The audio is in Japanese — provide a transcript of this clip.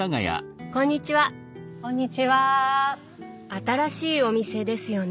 新しいお店ですよね？